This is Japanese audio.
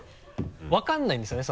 分からないんですよね